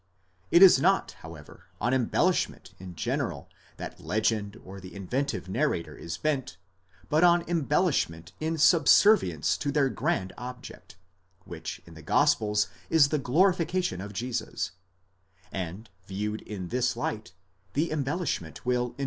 It is not, however, on embellishment in general that legend or the inventive narrator is bent, but on embellishment in subservience to their grand object, which in the gospels is tthe glorification of Jesus; and viewed in this light, the embellishment will in 468 PART Il. CHAPTER ΙΧ. § 98.